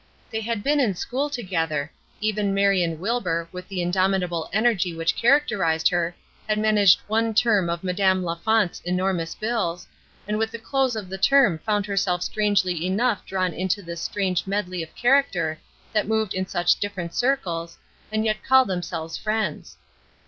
They had been in school together, even Marion Wilbur, with the indomitable energy which characterized her, had managed one term of Madame La Fonte's enormous bills, and with the close of the term found herself strangely enough drawn into this strange medley of character that moved in such different circles, and yet called themselves friends.